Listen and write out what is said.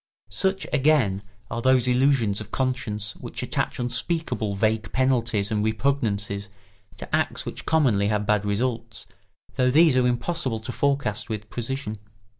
Such, again, are those illusions of conscience which attach unspeakable vague penalties and repugnances to acts which commonly have bad results, though these are impossible to forecast with precision.